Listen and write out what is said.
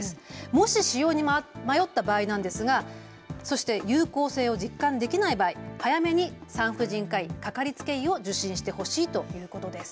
もし使用に迷った場合なんですがそして有効性を実感できない場合早めに産婦人科医、かかりつけ医を受診して方針ということです。